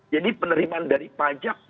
jadi penerimaan dari pajak